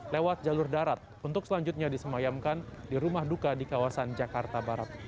lewat jalur darat untuk selanjutnya disemayamkan di rumah duka di kawasan jakarta barat